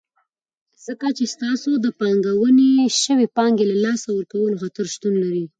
ځکه چې ستاسو د پانګونې شوي پانګې له لاسه ورکولو خطر شتون لري.